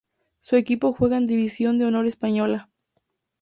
Su equipo juega en división de honor española.